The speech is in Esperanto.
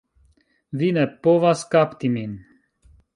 Vi ne povas kapti min!